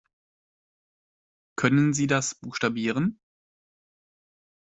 Können Sie das buchstabieren?